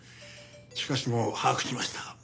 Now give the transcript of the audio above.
しかしもう把握しました。